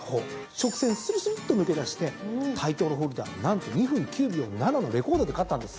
直線するすると抜け出してタイトルホルダー何と２分９秒７のレコードで勝ったんです。